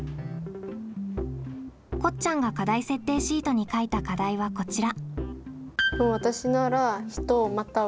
こっちゃんが課題設定シートに書いた課題はこちら。